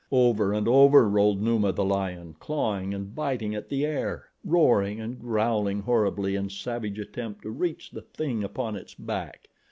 Over and over rolled Numa, the lion, clawing and biting at the air, roaring and growling horribly in savage attempt to reach the thing upon its back.